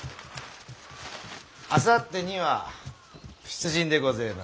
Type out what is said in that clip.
あさってには出陣でごぜます。